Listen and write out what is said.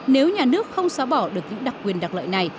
nếu nhà nước không xóa bỏ được những đặc quyền đặc lợi này